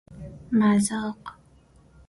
مذاق